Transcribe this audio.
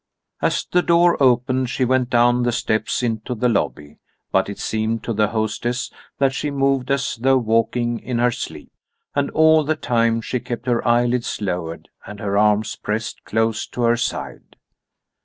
As the door opened she went down the steps into the lobby, but it seemed to the hostess that she moved as though walking in her sleep. And all the time she kept her eyelids lowered and her arms pressed close to her side.